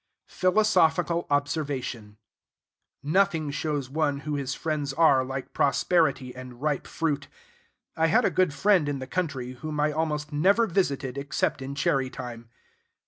Philosophical Observation. Nothing shows one who his friends are like prosperity and ripe fruit. I had a good friend in the country, whom I almost never visited except in cherry time.